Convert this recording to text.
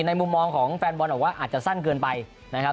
มุมมองของแฟนบอลบอกว่าอาจจะสั้นเกินไปนะครับ